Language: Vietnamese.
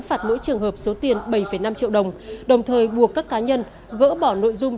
phạt mỗi trường hợp số tiền bảy năm triệu đồng đồng thời buộc các cá nhân gỡ bỏ nội dung